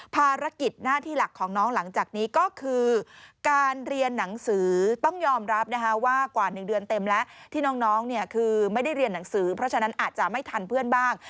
ภารกิจหน้าที่หลักของน้องหลังจากนี้ก็คือการเรียนหนังสือต้องยอมรับนะคะว่ากว่า๑เดือนเต็มแล้วที่น้องเนี่ยคือไม่ได้เรียนหนังสือเพราะฉะนั้นอาจจะไม่ทันเพื่อนบ้าง